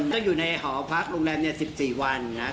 เจ้าอยู่ในหอพักโรงแรม๑๔วันนะ